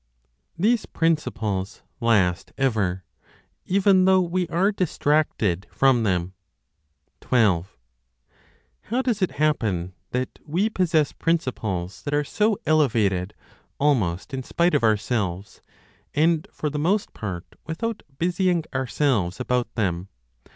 THESE PRINCIPLES LAST EVER; EVEN THOUGH WE ARE DISTRACTED FROM THEM. 12. How does it happen that we possess principles that are so elevated, almost in spite of ourselves, and for the most part without busying ourselves about them?